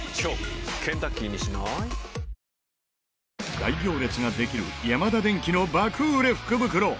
大行列ができるヤマダデンキの爆売れ福袋